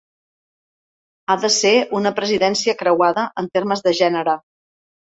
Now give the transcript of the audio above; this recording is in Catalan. Ha de ser una presidència creuada en termes de gènere.